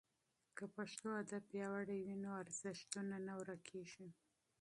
که پښتو ادب پیاوړی وي نو ارزښتونه نه ورکېږي.